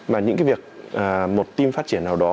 và những cái việc một team phát triển nào đó